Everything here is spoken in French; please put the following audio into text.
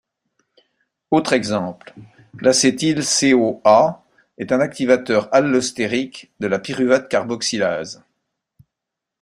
Autre exemple, l'acétyl-CoA est un activateur allostérique de la pyruvate carboxylase.